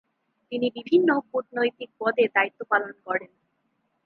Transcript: তিনি বিভিন্ন কূটনৈতিক পদে দায়িত্ব পালন করেন।